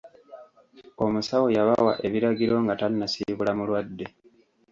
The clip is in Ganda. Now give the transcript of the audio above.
Omusawo yabawa ebiragiro nga tannasiibula mulwadde.